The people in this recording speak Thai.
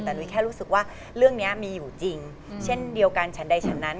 แต่นุ้ยแค่รู้สึกว่าเรื่องนี้มีอยู่จริงเช่นเดียวกันฉันใดฉันนั้น